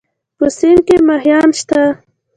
په سيند کې مهيان شته؟